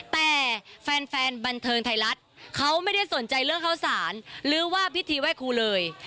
แต่แฟนบันเทิงไทยรัฐเขาไม่ได้สนใจเรื่องข้าวสารหรือว่าพิธีไหว้ครูเลย